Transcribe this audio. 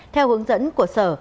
theo hướng dẫn của sở